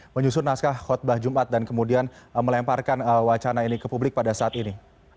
menyusun naskah khutbah jumat dan kemudian melemparkan wacana ini ke publik pada saat ini